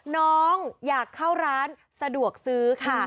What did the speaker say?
น้องอยากเข้าร้านสะดวกซื้อค่ะ